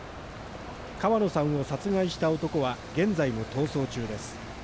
川野さんを殺害した男は現在も逃走中です。